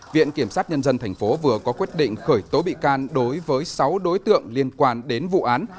viện kiểm sát nhân dân tp vừa có quyết định khởi tố bị can đối với sáu đối tượng liên quan đến vụ án